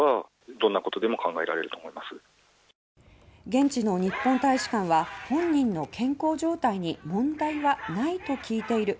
現地の日本大使館は「本人の健康状態に問題はないと聞いている」